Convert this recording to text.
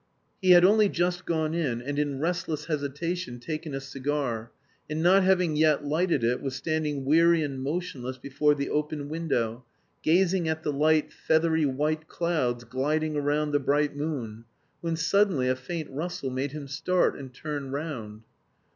He had only just gone in, and in restless hesitation taken a cigar, and not having yet lighted it, was standing weary and motionless before the open window, gazing at the light feathery white clouds gliding around the bright moon, when suddenly a faint rustle made him start and turn round.